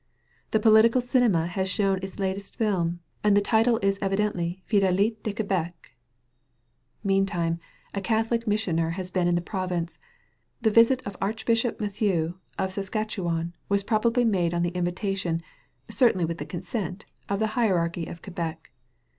The political cinema has shown its latest film, and the title is evidently ^^FidHitS de Quiheer Meantime a Catholic missioner has been in the province. The visit of Archbishop Mathieu of Saskatchewan was probably made on the invita tion, certainly with the consent, of the hierarchy of Quebec.